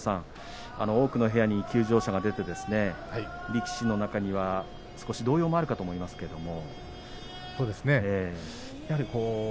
多くの部屋に休場者が出て力士の中には少し動揺もあるかと思いますけれども。